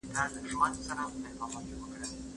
د شيطانۍ منګی په لپو ډکوينه